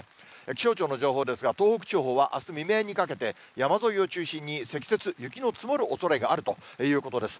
気象庁の情報ですが、東北地方はあす未明にかけて、山沿いを中心に積雪、雪の積もるおそれがあるということです。